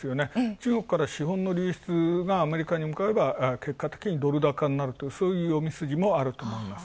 中国から資本の流出がアメリカに向かえば、結果的にドル高になるとそういう読み筋もあると思います。